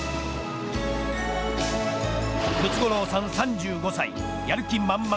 ムツゴロウさん、３５歳やる気満々。